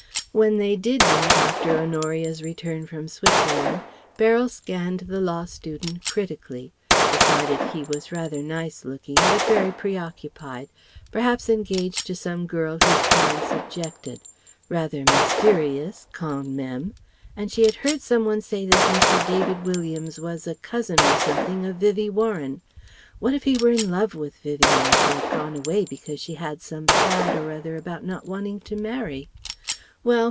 When they did meet after Honoria's return from Switzerland, Beryl scanned the law student critically; decided he was rather nice looking but very pre occupied; perhaps engaged to some girl whose parents objected; rather mysterious, quand même; she had heard some one say this Mr. David Williams was a cousin or something of Vivie Warren ... what if he were in love with Vivie and she had gone away because she had some fad or other about not wanting to marry? Well!